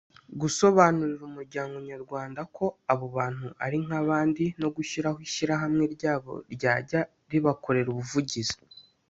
gusobanurira umuryango Nyarwanda ko abo bantu ari nk’abandi no gushyiraho ishyirahamwe ryabo ryajya ribakorera ubuvigizi